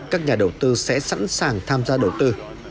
các nhà đầu tư sẽ sẵn sàng tham gia đầu tư